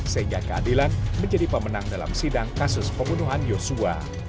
sehingga keadilan menjadi pemenang dalam sidang kasus pembunuhan yosua